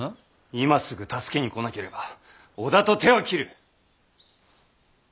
今すぐ助けに来なければ織田と手を切る。